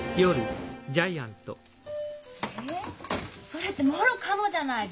それってもろカモじゃない。